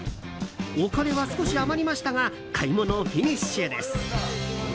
お金は少し余りましたが買い物フィニッシュです。